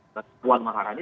dan puan maharani